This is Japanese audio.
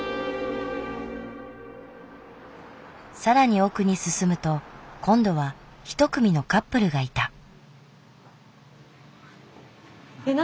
更に奥に進むと今度は一組のカップルがいた。